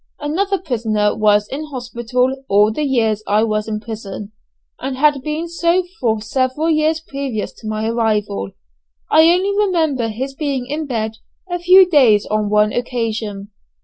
Another prisoner was in hospital all the years I was in prison, and had been so for several years previous to my arrival. I only remember his being in bed a few days on one occasion.